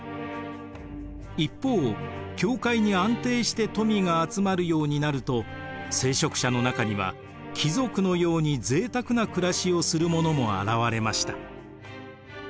一方教会に安定して富が集まるようになると聖職者の中には貴族のようにぜいたくな暮らしをする者も現れました。